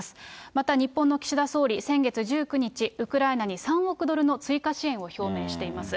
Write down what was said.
また日本の岸田総理、先月１９日、ウクライナに３億ドルの追加支援を表明しています。